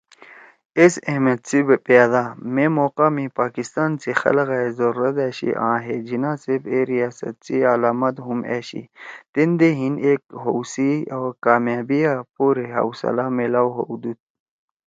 ایس احمد سی بأدا مے موقع می پاکستان سی خلگائے ضرورت أشی آں ہے (جناح صیب) اے ریاست سی علامت ہُم أشی تیندے ہیِن ایک ہؤ سی او کامیابیا پورے حوصلہ میلاؤ ہؤدُود